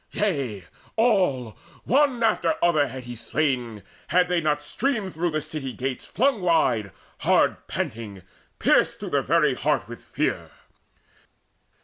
Yea, all, one after other, had he slain, Had they not streamed through city gates flung wide Hard panting, pierced to the very heart with fear.